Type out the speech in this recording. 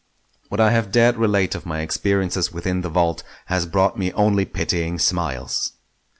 What I have dared relate of my experiences within the vault has brought me only pitying smiles.